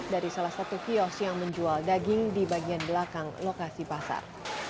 dari salah satu kios yang menjual daging di bagian belakang lokasi pasar